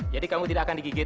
jadi kamu tidak akan digigit